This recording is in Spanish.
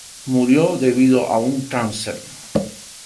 Murió debido a un cáncer.